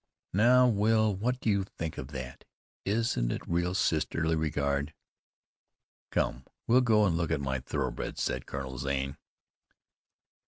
"Now, Will, what do you think of that? Isn't it real sisterly regard? Come, we'll go and look at my thoroughbreds," said Colonel Zane.